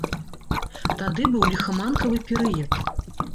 Тады быў ліхаманкавы перыяд.